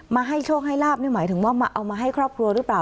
ให้โชคให้ลาบนี่หมายถึงว่าเอามาให้ครอบครัวหรือเปล่า